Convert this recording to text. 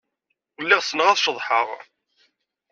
Lliɣ ssneɣ ad ceḍḥeɣ.